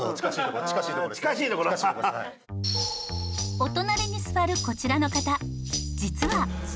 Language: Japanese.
お隣に座るこちらの方実は。